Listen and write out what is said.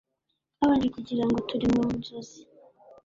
twabanje kugira ngo turi mu nzozi